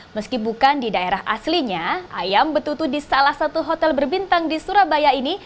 meski bukan di daerah aslinya ayam betutu di salah satu hotel berbintang di surabaya ini